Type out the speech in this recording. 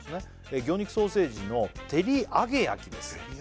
魚肉ソーセージの照り揚げ焼きです